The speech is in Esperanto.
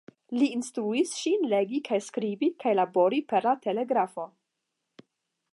Li instruis ŝin legi kaj skribi kaj labori per la telegrafo.